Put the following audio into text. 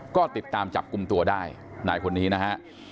ก็ติดตามจับกลุ่มตัวได้นายคนนี้นะฮะ